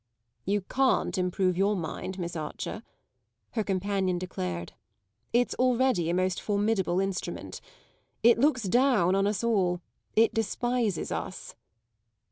"You can't improve your mind, Miss Archer," her companion declared. "It's already a most formidable instrument. It looks down on us all; it despises us."